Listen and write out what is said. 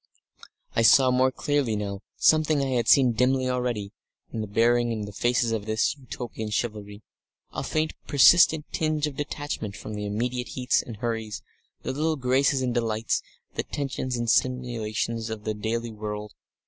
I saw more clearly now something I had seen dimly already, in the bearing and the faces of this Utopian chivalry, a faint persistent tinge of detachment from the immediate heats and hurries, the little graces and delights, the tensions and stimulations of the daily world.